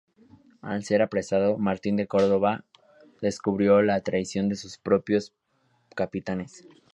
Al ser apresado, Martín de Córdoba descubrió la traición de sus propios capitanes.